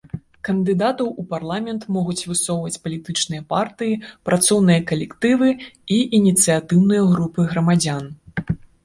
Кандыдатаў у парламент могуць высоўваць палітычныя партыі, працоўныя калектывы і ініцыятыўныя групы грамадзян.